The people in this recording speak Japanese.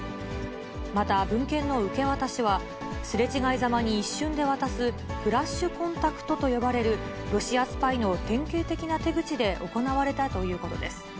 また、文献の受け渡しは、すれ違いざまに一瞬で渡す、フラッシュコンタクトと呼ばれるロシアスパイの典型的な手口で行われたということです。